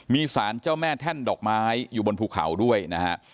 มีสารเจ้าแม่แท่นดอกไม้อยู่บนภูเขาด้วยนะฮะ